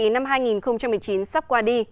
năm hai nghìn một mươi chín sắp qua đi